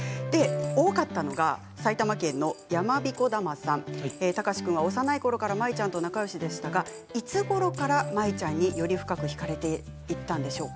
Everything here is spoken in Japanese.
多かったのが埼玉県の方からです貴司君は幼いころから舞ちゃんと仲よしでしたがいつごろから舞ちゃんにより深く引かれていったんでしょうか。